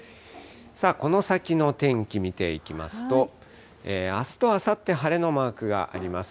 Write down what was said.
さあ、この先の天気、見ていきますと、あすとあさって晴れのマークがあります。